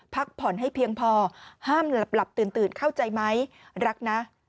พักผ่อนให้เพียงพอห้ามหลับตื่นเข้าใจไหมรักนะ